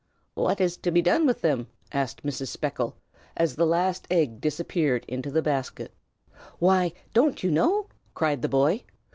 "And what is to be done with them?" asked Mrs. Speckle, as the last egg disappeared into the basket. "Why, don't you know?" cried the boy.